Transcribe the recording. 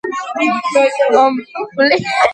კომპილაცია აგრეთვე გამოვიდა ვიდეოს სახით.